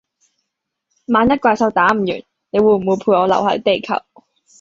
萬一怪獸打唔完，你會不會陪我留係地球？